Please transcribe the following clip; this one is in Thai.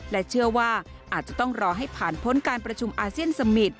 และเชื่อว่าอาจจะต้องรอให้ผ่านพ้นการประชุมอาเซียนสมิตร